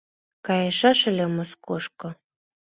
Кайышаш ыле Москошко